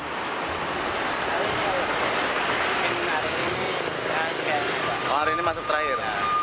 hari ini masuk terakhir